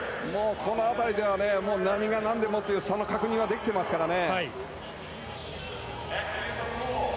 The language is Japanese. この辺りでは何が何でもという差の確認はできてますからね。